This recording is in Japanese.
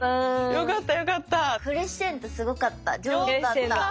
よかった！